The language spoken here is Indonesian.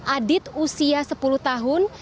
aldi usia sepuluh tahun